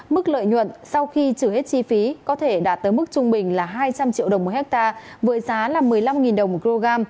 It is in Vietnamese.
mức lợi nhuận sau khi trừ hết chi phí có thể đạt tới mức trung bình là hai trăm linh triệu đồng một hectare với giá là một mươi năm đồng một kg